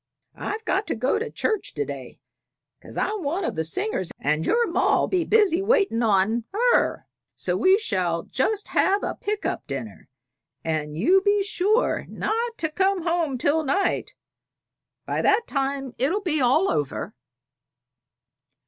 "I've got to go to church to day, 'cause I'm one of the singers, and your ma'll be busy waitin' on her; so we shall just have a pick up dinner, and you be sure not to come home till night; by that time it'll be all over."